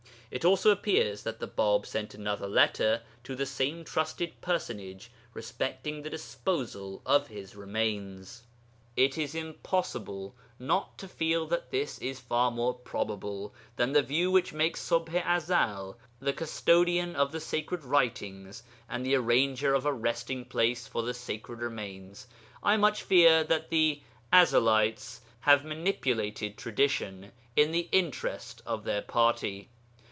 It also appears that the Bāb sent another letter to the same trusted personage respecting the disposal of his remains. It is impossible not to feel that this is far more probable than the view which makes Ṣubḥ i Ezel the custodian of the sacred writings and the arranger of a resting place for the sacred remains. I much fear that the Ezelites have manipulated tradition in the interest of their party.